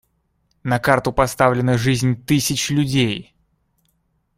На карту поставлена жизнь тысяч людей.